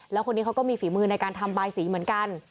แล้วคนนี้เขาก็มีฝีมือในการทำบายสีเหมือนกัน